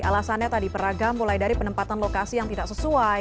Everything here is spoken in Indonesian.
alasannya tadi beragam mulai dari penempatan lokasi yang tidak sesuai